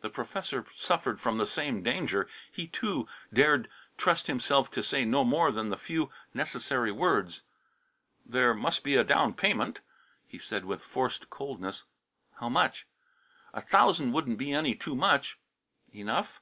The professor suffered from the same danger. He, too, dared trust himself to say no more than the few necessary words. "There must be a payment down," he said with forced coldness. "How much?" "A thousand wouldn't be any too much." "Enough?"